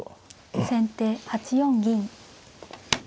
先手８四銀。